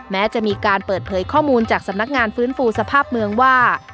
แม้จะมีการเปิดเผยข้อมูลจากสำนักงานฟื้นฟูสภาพเมืองว่า